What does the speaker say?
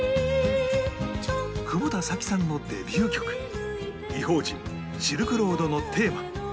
久保田早紀さんのデビュー曲『異邦人−シルクロードのテーマ−』